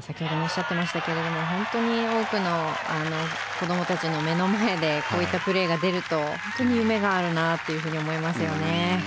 先ほどもおっしゃってましたけど本当に多くの子どもたちの目の前でこういったプレーが出ると本当に夢があるなと思いますよね。